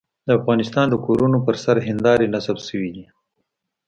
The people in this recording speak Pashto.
د افغانستان د کورونو پر سر هندارې نصب شوې دي.